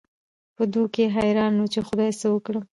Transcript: په دوو کې حېران وو، چې خدايه څه وکړم؟